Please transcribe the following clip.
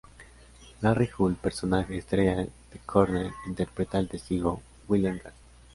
Larry Hull, personaje estrella en "The Corner", interpreta al testigo William Gant.